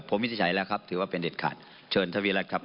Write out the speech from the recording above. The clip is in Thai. ผมวินิจฉัยแล้วครับถือว่าเป็นเด็ดขาดเชิญทวีรัฐครับ